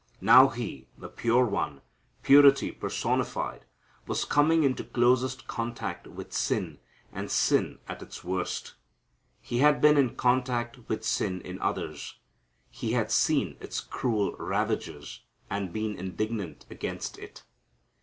Now He, the pure One, purity personified, was coming into closest contact with sin, and sin at its worst. He had been in contact with sin in others. He had seen its cruel ravages and been indignant against it.